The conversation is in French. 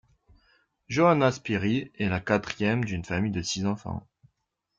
Johanna Spyri est la quatrième d'une famille de six enfants.